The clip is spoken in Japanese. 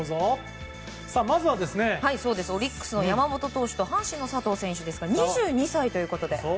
まずはオリックスの山本投手と阪神の佐藤選手ですが２２歳ということで。